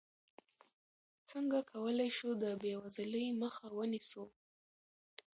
څنګه کولی شو د بېوزلۍ مخه ونیسو؟